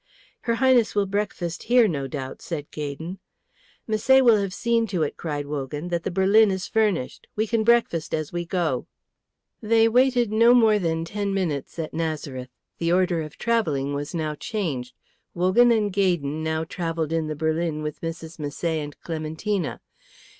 "Her Highness will breakfast here, no doubt?" said Gaydon. "Misset will have seen to it," cried Wogan, "that the berlin is furnished. We can breakfast as we go." They waited no more than ten minutes at Nazareth. The order of travelling was now changed. Wogan and Gaydon now travelled in the berlin with Mrs. Misset and Clementina.